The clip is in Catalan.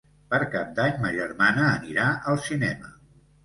Per Cap d'Any ma germana anirà al cinema.